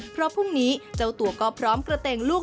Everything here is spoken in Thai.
เพราะพรุ่งนี้เจ้าตัวก็พร้อมกระเตงลูก